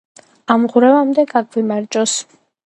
ამღვრევამდე გაგვიმარჯოს